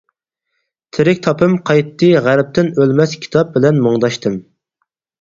تىرىك تاپىم قايتتى غەربتىن ئۆلمەس كىتاب بىلەن مۇڭداشتىم.